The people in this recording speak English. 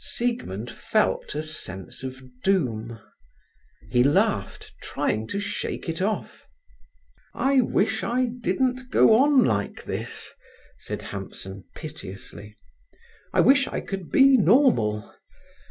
Siegmund felt a sense of doom. He laughed, trying to shake it off. "I wish I didn't go on like this," said Hampson piteously. "I wish I could be normal.